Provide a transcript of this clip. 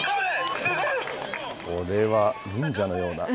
これは忍者のような。